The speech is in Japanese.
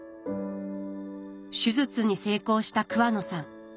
手術に成功した桑野さん。